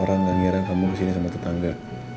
orang gak ngiram kamu kesini sama tetangga